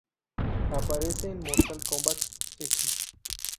Aparece en "Mortal Kombat X".